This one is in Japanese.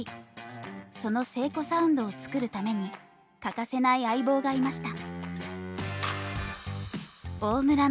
その聖子サウンドを作るために欠かせない相棒がいました。